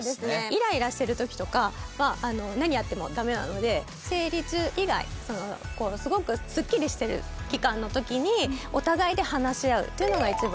イライラしてる時とかは何やってもダメなので生理中以外すごくすっきりしてる期間の時にお互いで話し合うというのが一番いいかと思います。